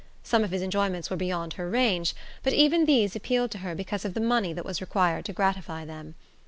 Some of his enjoyments were beyond her range, but even these appealed to her because of the money that was required to gratify them.